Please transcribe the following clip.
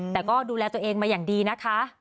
แต่ก็ดูแลตัวเองมาอย่างดีนะคะ